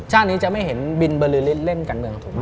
นี้จะไม่เห็นบินเบอร์ลือริสเล่นการเมืองถูกไหม